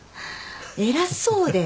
偉そうで。